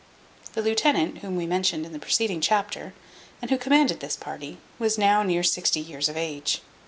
The lieutenant, whom we mentioned in the preceding chapter, and who commanded this party, was now near sixty years of age.